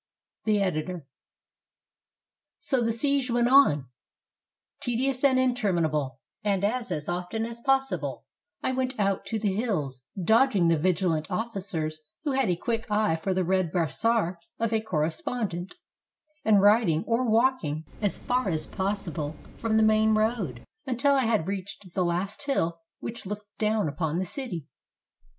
The Editor.] So the siege went on, tedious and interminable, and as often as possible I went out to the hills, dodging the vigi lant officers, who had a quick eye for the red brassard of a correspondent, and riding or walking as far as possible from the main road until I had reached the last hill which looked down upon the city.